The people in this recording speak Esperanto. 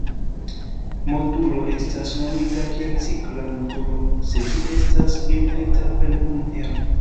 Modulo estas nomita kiel cikla modulo se ĝi estas generita per unu ero.